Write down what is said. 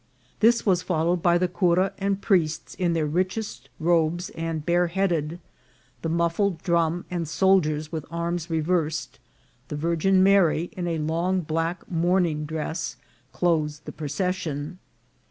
This was followed by the cura and priests in their richest robes and barehead ed, the muffled drum, and soldiers with arms reversed ; the Virgin Mary, in a long black mourning dress, closed the procession.